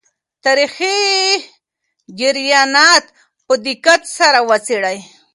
تاریخي جریانات په دقت سره وڅېړئ.